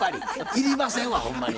いりませんわほんまに。